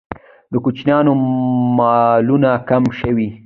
د کوچیانو مالونه کم شوي؟